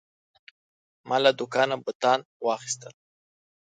ما له دوکانه بوتان واخیستل.